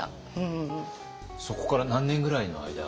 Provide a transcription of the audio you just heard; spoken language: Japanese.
そこから何年ぐらいの間？